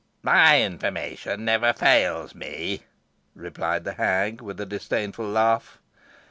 "My information never fails me," replied the hag, with a disdainful laugh.